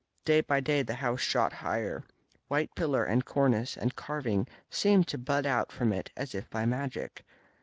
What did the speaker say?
Day by day the house shot higher, while pillar and cornice and carving seemed to bud out from it as if by magic.